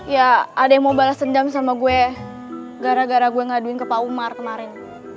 ya ada yang mau balas dendam sama gue gara gara gue ngaduin ke pak umar kemarin